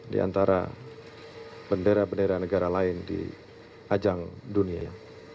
di antara bendera bendera negara lain di ajang dunia